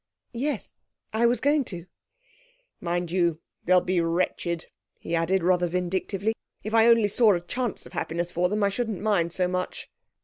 'Yes; I was going to.' 'Mind you, they'll be wretched,' he added rather vindictively. 'If I only saw a chance of happiness for them I shouldn't mind so much.'